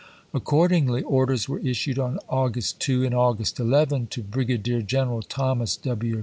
Accordingly, orders were issued on August 2 and August 11 to Briga dier General Thomas W.